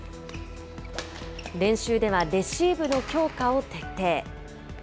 練習ではレシーブの強化を徹底。